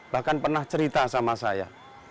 bahkan pernah cerita sama saya